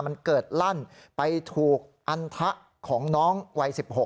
มันเกิดลั่นไปถูกอันทะของน้องวัย๑๖